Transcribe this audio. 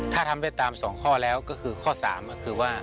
ถ้าทำได้ตาม๒ข้อแล้วก็คือข้อ๓ก็คือว่า